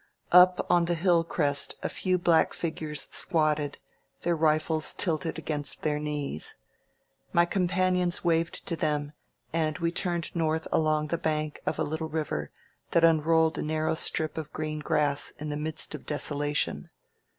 Up on the hill crest a few black figures squatted, their rifles tilted against their knees. My companions waved to them, and we turned north along the bank of a little river that unrolled a narrow strip of green grass in the midst of desolation.